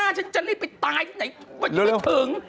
อย่างที่หน้าฉันจะเร็วไปตายที่ไหนไม่ถึง